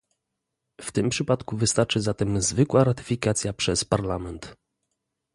W tym przypadku wystarczy zatem zwykła ratyfikacja przez Parlament